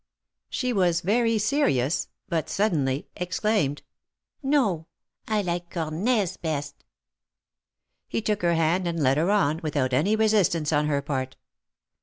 She was very serious, but suddenly exclaimed :" No ; I like cornets best." He took her hand and led her on, without any resistance on her part.